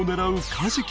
カジキ！